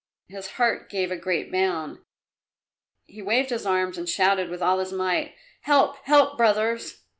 His heart gave a great bound. He waved his arms and shouted with all his might, "Help, help, brothers!"